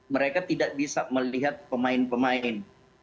mereka tidak bisa melihat pemain pemain